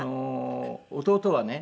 弟はね